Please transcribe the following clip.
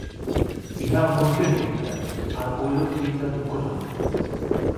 ইহা মূর্খের চিন্তা, আর ঐরূপ চিন্তা দুঃখজনক।